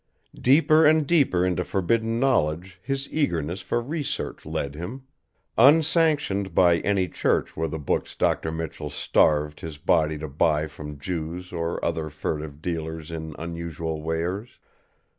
Deeper and deeper into forbidden knowledge his eagerness for research led him. Unsanctioned by any church were the books Dr. Michell starved his body to buy from Jews or other furtive dealers in unusual wares.